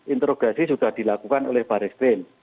interogasi sudah dilakukan oleh baristrin